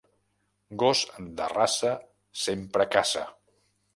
Gos de raça sempre caça.